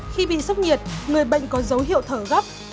khi bị sốc nhiệt người bệnh có dấu hiệu thở gấp